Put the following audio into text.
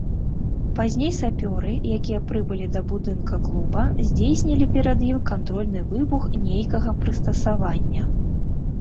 Пазней сапёры, якія прыбылі да будынка клуба, здзейснілі перад ім кантрольны выбух нейкага прыстасавання.